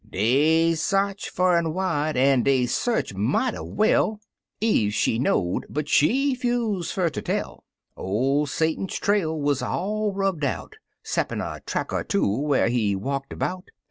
Dey s'arch fur an' wide, an' dey s'arch mighty well — •m Eve she knowed, but she 'fuse fer ter tell, or Satan's trail wuz all rubbed out, Ceppin' a track er two whar he walked about.